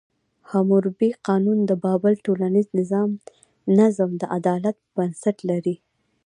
حموربي قانون د بابل ټولنیز نظم د عدالت په بنسټ لري.